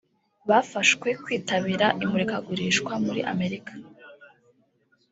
bafashwe kwitabira imurikagurisha muri Amerika